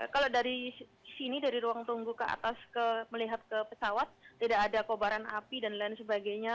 kalau dari sini dari ruang tunggu ke atas ke melihat ke pesawat tidak ada kobaran api dan lain sebagainya